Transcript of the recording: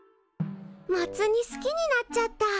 モツ煮好きになっちゃった。